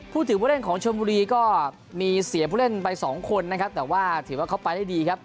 พูดถึงผู้เล่นของชนบุรีก็มีเสียผู้เล่นไปสองคนนะครับแต่ว่าถือว่าเขาไปได้ดีครับ